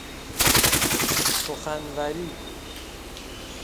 سخنوری